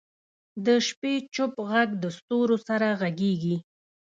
د شپې چوپ ږغ د ستورو سره غږېږي.